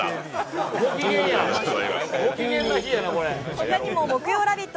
他にも木曜「ラヴィット！」